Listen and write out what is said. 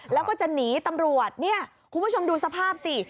แล้วก็จะหนีตำรวจเนี่ยคุณผู้ชมดูสภาพสิ